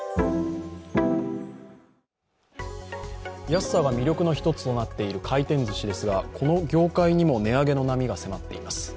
安さが魅力の一つとなっている回転ずしですが、この業界にも値上げの波が迫っています。